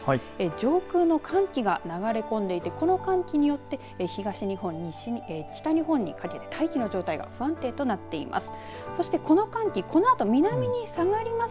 上空の寒気が流れ込んでいてこの寒気によって東日本、西日本北日本にかけて大気の状態が不安定となっています。